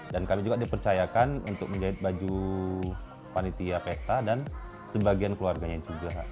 dan kami juga dipercayakan untuk menjahit baju panitia pesta dan sebagian keluarganya juga